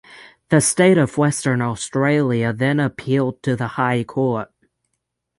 The state of Western Australia then appealed to the High Court.